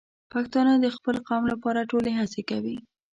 پښتانه د خپل قوم لپاره ټولې هڅې کوي.